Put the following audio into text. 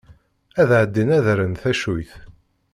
Ad ɛeddin ad rren tacuyt.